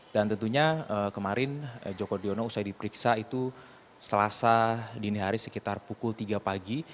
tentunya kemarin joko driono usai diperiksa itu selasa dini hari sekitar pukul tiga pagi